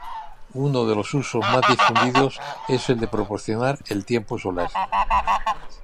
Uno de los usos más difundidos es el de proporcionar el tiempo solar.